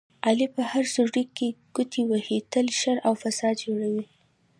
علي په هره سوړه کې ګوتې وهي، تل شر او فساد جوړوي.